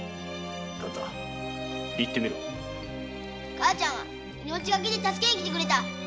母ちゃんは命がけで助けにきてくれた。